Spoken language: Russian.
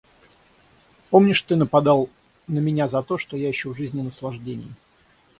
Помнишь, ты нападал на меня за то, что я ищу в жизни наслаждений?